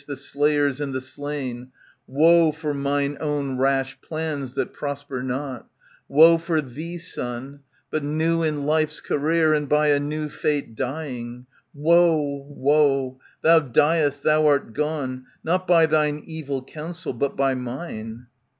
The slayers and the slain, Woe for mine own rash plans that prosper not ! Woe for thee, son ; but new in life's career, And by a new fate dying ! Woe ! woe i Thou diest, thou art gone. Not by thine evil counsel, but by mine.